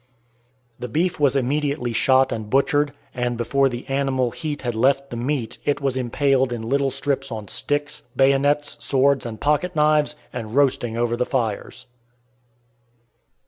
The beef was immediately shot and butchered, and before the animal heat had left the meat, it was impaled in little strips on sticks, bayonets, swords, and pocket knives, and roasting over the fires.